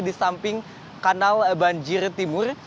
di samping kanal banjir timur